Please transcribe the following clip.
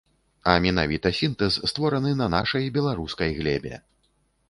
А менавіта сінтэз, створаны на нашай беларускай глебе.